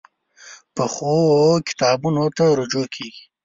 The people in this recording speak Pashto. پخو کتابونو ته رجوع کېږي